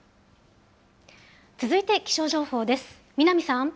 続いて気象情報です。